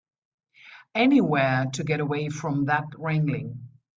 Anywhere to get away from that wrangling.